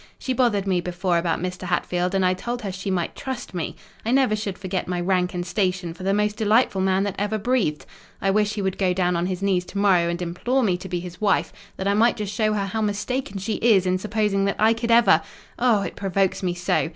She bothered me before about Mr. Hatfield; and I told her she might trust me: I never should forget my rank and station for the most delightful man that ever breathed. I wish he would go down on his knees to morrow, and implore me to be his wife, that I might just show her how mistaken she is in supposing that I could ever—Oh, it provokes me so!